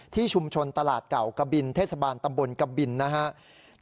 ที่ชุมชนตลาดเก่ากะบินเทศบาลตำบลกบินนะครับ